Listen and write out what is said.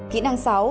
kỹ năng sáu